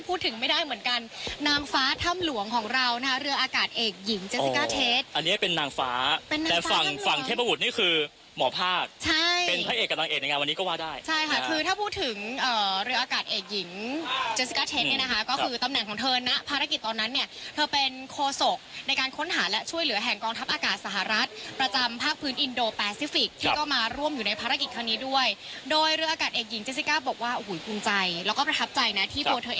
เป็นนางฟ้าเป็นนางฟ้าแต่ฝั่งฟั่งเทพบุรุษนี่คือหมอภาคใช่เป็นพระเอกกับนางเอกในงานวันนี้ก็ว่าได้ใช่ค่ะคือถ้าพูดถึงเอ่อเรืออากาศเอกหญิงเจสสิกาเทสเนี่ยนะคะก็คือตำแหน่งของเธอนะภารกิจตอนนั้นเนี้ยเธอเป็นโคโศกในการค้นหาและช่วยเหลือแห่งกองทัพอากาศสหรัฐ